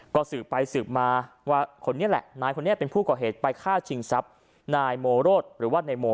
ก็สืบไปสืบมาว่าคนนี้แหละนายคนนี้เป็นผู้ก่อเหตุไปฆ่าชิงทรัพย์นายโมโรดหรือว่านายโม